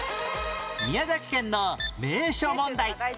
宮崎県の名所問題